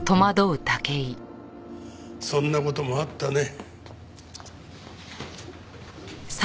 そんな事もあったね。